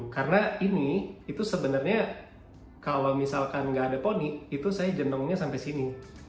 karena ini itu sebenarnya kalau misalkan nggak ada poni itu saya jenongnya sampai sini